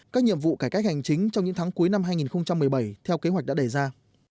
các nhiệm vụ cải cách hành chính trong những tháng cuối năm hai nghìn một mươi bảy theo kế hoạch đã đề ra